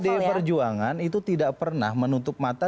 karena pdi perjuangan itu tidak pernah menutup mata